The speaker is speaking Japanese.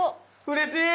うれしい！